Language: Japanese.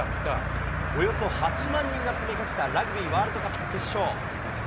およそ８万人が詰めかけたラグビーワールドカップ決勝。